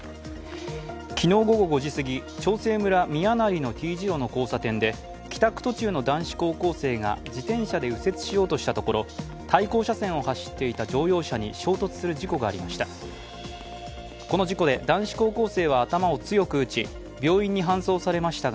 昨日午後５時すぎ長生村宮成のＴ字路の交差点で帰宅途中の男子高校生が自転車で右折しようとしたところ、対向車線を走っていた乗用車に衝突する事故がありました。